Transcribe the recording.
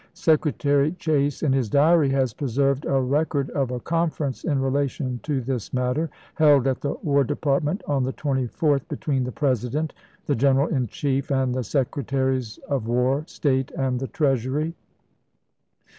Secretary Chase, in his diary, has preserved a record of a conference in relation to this matter, Sept., 1863. held at the War Department, on the 24th, between the President, the Greneral in Chief, and the Secre taries of War, State, and the Treasury.